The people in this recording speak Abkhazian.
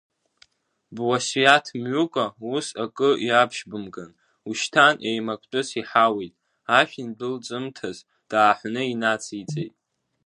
Буасиаҭ мҩыкәа ус акы иаԥшьбымган, ушьҭан еимактәыс иҳауеит, ашә индәылҵымҭаз, дааҳәны инациҵеит.